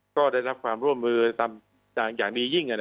ก็ได้รับความร่วมมืออย่างดียิ่ง